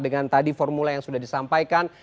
dengan tadi formula yang sudah disampaikan